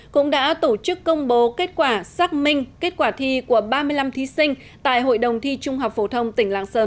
cũng đã tổ chức công bố kết quả xác minh kết quả thi của ba mươi năm thí sinh tại hội đồng thi trung học phổ thông tỉnh lạng sơn